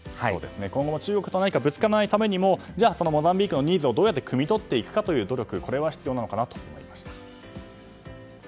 今後の中国と何かぶつからないためにもそのモザンビークのニーズをどうやってくみ取っていくかという努力が必要なのかなと思いました。